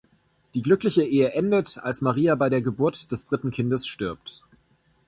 Die glückliche Ehe endet, als Maria bei der Geburt des dritten Kindes stirbt.